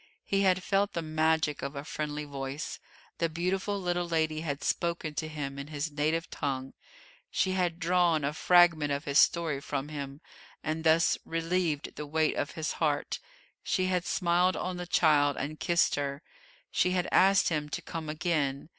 He had felt the magic of a friendly voice; the beautiful little lady had spoken to him in his native tongue; she had drawn a fragment of his story from him, and thus relieved the weight at his heart; she had smiled on the child, and kissed her; she had asked him to come again.